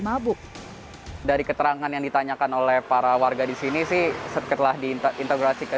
mabuk dari keterangan yang ditanyakan oleh para warga di sini sih setelah diintegrasi ke